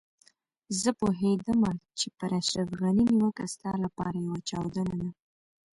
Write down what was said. زه پوهېدم چې پر اشرف غني نيوکه ستا لپاره يوه چاودنه ده.